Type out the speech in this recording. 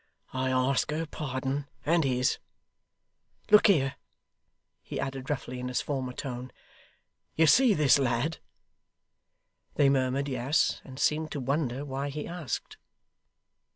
'I ask her pardon; and his. Look here,' he added roughly, in his former tone. 'You see this lad?' They murmured 'Yes,' and seemed to wonder why he asked.